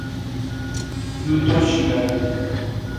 Yuto Shirai